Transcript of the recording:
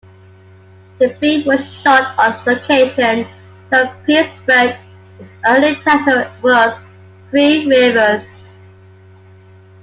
The film was shot on location throughout Pittsburgh; its early title was "Three Rivers".